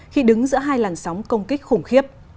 khi đứng giữa hai làn sóng công kích khủng khiếp